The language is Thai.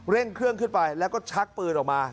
เครื่องขึ้นไปแล้วก็ชักปืนออกมา